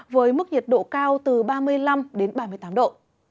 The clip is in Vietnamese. với mức nhiệt độ cao từ ba mươi năm đến ba mươi tám độ